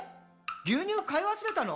牛乳買い忘れたの？」